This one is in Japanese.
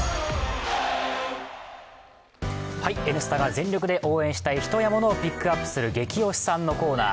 「Ｎスタ」が全力で応援したい人やモノをピックアップする「ゲキ推しさん」のコーナー。